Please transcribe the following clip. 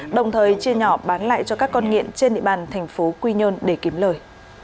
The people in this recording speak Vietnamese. đồng thời chia nhỏ bán lại cho các con nghiện trên địa bàn thành phố quy nhơn để kiếm lời